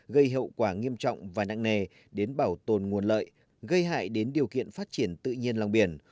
gây hậu quả nghiêm trọng và nặng nề đến bảo tồn nguồn lợi gây hại đến điều kiện phát triển tự nhiên lòng biển